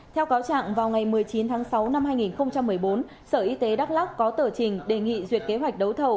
theo cáo trạng vào ngày một mươi chín tháng sáu năm hai nghìn một mươi bốn sở y tế đắk lắc có tờ trình đề nghị duyệt kế hoạch đấu thầu